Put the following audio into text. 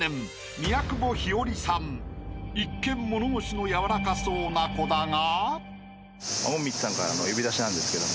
［一見物腰の柔らかそうな子だが］